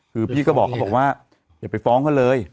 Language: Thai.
คือพี่ก็บอกเขาบอกว่าอย่าไปฟ้องเขาเลย